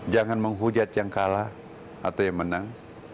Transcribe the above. jangan menghujat yang kalah atau yang menang